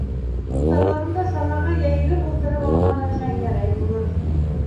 Урталарында, санаға йәйелеп ултырып алғаны, Шәңгәрәй булыр.